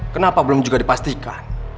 kenapa belum juga dipastikan